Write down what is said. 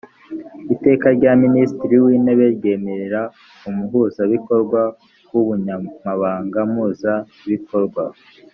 iteka rya minisitiri w intebe ryemerera umuhuzabikorwa w ubunyamabanga mpuzabikorwa